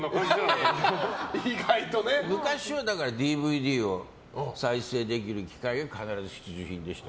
昔はＤＶＤを再生できる機械が必ず必需品でした。